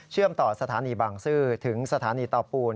เชื่อมต่อสถานีบางซื้อถึงสถานีต่อปูน